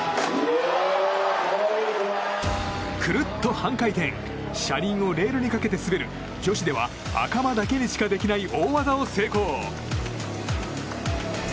くるっと半回転車輪をレールにかけて滑る女子では赤間だけにしかできない大技を成功。